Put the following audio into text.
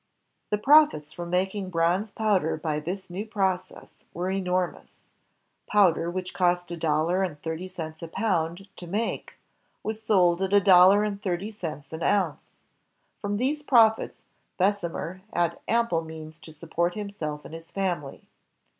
The profits from making bronze powder by this new process were enormous. Powder which cost a dollar and thirty cents a pound to make was sold at a dollar and thirty cents an oimce. From these profits, Bessemer had ample means to support himself and his family.